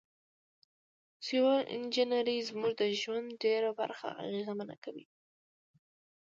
سیول انجنیری زموږ د ژوند ډیره برخه اغیزمنه کوي.